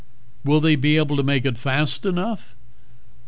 "Will they be able to make it fast enough?"